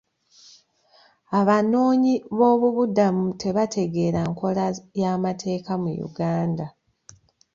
Abanoonyi boobubudamu tebategeera nkola y'amateeka mu Uganda